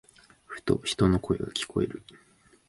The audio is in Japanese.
ふと、人の声が聞こえる。